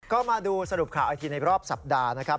ก็มาดูสรุปข่าวอีกทีในรอบสัปดาห์นะครับ